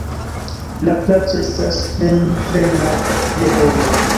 La placo estas plenplena je homoj.